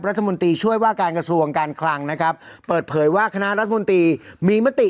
รัฐมนตรีช่วยว่าการกระทรวงการคลังนะครับเปิดเผยว่าคณะรัฐมนตรีมีมติ